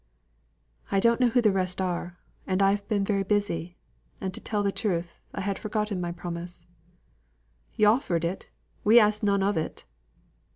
"I don't know who the rest are; and I've been very busy; and, to tell the truth, I had forgotten my promise " "Yo' offered it; we asked none of it."